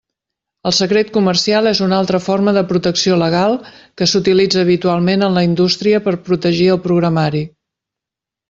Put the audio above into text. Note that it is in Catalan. El secret comercial és una altra forma de protecció legal que s'utilitza habitualment en la indústria per protegir el programari.